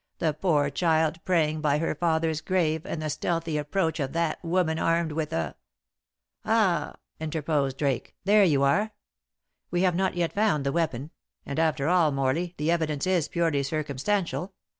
"The poor child praying by her father's grave, and the stealthy approach of that woman armed with a " "Ah!" interposed Drake, "there you are. We have not yet found the weapon; and after all, Morley, the evidence is purely circumstantial.